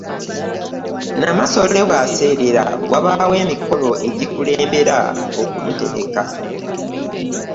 “Nnamasole bw'aseerera wabaawo emikolo egikulembera okumutereka.